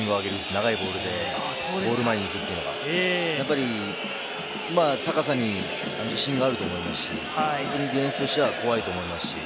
長いボールでゴール前に行くというのが、高さに自信があると思いますし、ディフェンスとしては怖いと思いますし。